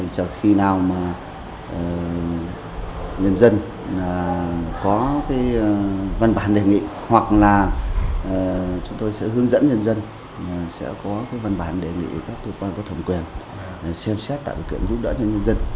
sau khi nào mà nhân dân có cái văn bản đề nghị hoặc là chúng tôi sẽ hướng dẫn nhân dân sẽ có cái văn bản đề nghị các cơ quan có thẩm quyền xem xét tạo điều kiện giúp đỡ cho nhân dân